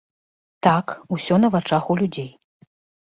Так, усё на вачах у людзей.